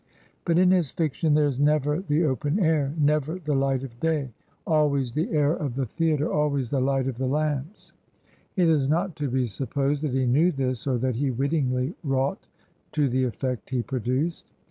But in his fiction there is never the open air, never the light of day, 154 Digitized by VjOOQIC DICKENS'S LATER HEROINES always the air of the theatre, always the hght of th« lamps. It is not to be supposed that he knew this, or that he wittingly wrought to the effect he produced.